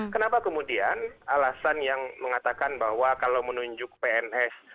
kenapa kemudian alasan yang mengatakan bahwa kalau menunjuk pns